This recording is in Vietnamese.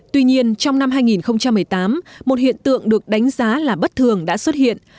tuy nhiên trong năm hai nghìn một mươi tám một hiện tượng được đánh giá là bất thường đã xuất hiện